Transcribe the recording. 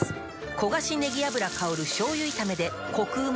焦がしねぎ油香る醤油炒めでコクうま